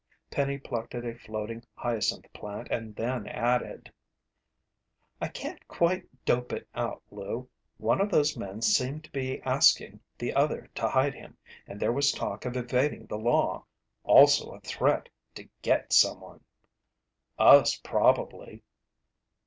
Penny plucked at a floating hyacinth plant and then added: "I can't quite dope it out, Lou. One of those men seemed to be asking the other to hide him, and there was talk of evading the law also a threat to 'get' someone." "Us probably."